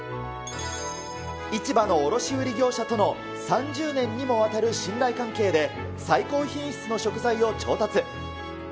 市場の卸売り業者との３０年にもわたる信頼関係で、最高品質の食材を調達。